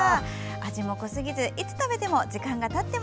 味も濃すぎず、いつ食べても時間がたっても